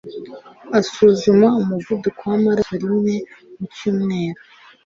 asuzuma umuvuduko w'amaraso rimwe mu cyumweru.